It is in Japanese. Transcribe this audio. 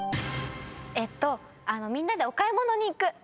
みんなでお買い物に行く。